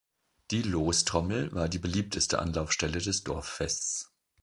Die Lostrommel war die beliebteste Anlaufstelle des Dorffests.